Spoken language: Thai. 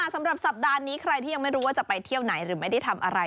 สำหรับสัปดาห์นี้ใครที่ยังไม่รู้ว่าจะไปเที่ยวไหนหรือไม่ได้ทำอะไร